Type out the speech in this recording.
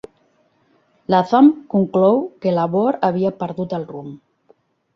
Latham conclou que Labor havia "perdut el rumb".